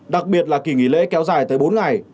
đặc biệt là kỳ nghỉ lễ kéo dài tới bốn ngày